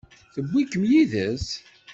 Tewwi-kem yid-s?